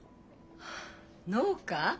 農家？